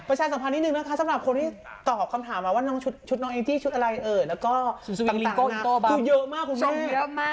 ประชาสัมพันธ์นิดนึงนะคะสำหรับคนที่ตอบคำถามมาว่าน้องชุดน้องแองจี้ชุดอะไรเอ่ยแล้วก็คือเยอะมากคุณผู้ชม